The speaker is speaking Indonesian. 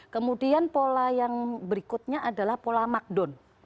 kemudian pola yang berikutnya adalah pola macdon